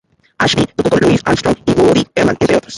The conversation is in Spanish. Ashby tocó con Louis Armstrong y Woody Herman, entre otros.